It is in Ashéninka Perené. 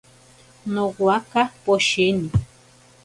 Nowaka poshini.